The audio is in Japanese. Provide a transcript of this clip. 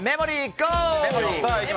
ゴー！